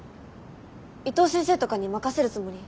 伊藤先生とかに任せるつもり？